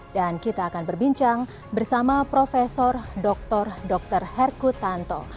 dan kita akan berbincang bersama prof dr herku tanto